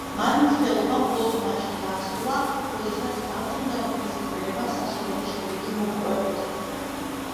მან მცდელობა მხოლოდ მაშინ დაასრულა, როდესაც დარწმუნდა, რომ მის ქმედებას სასურველი შედეგი მოჰყვებოდა.